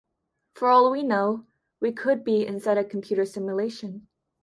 For all we know, we could be inside a computer simulation.